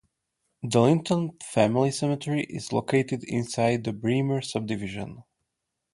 The Linton family cemetery is located inside the Braemar subdivision.